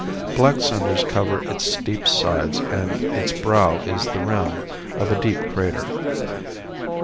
Black cinders cover its steep sides and its brow is the rim of a deep crater.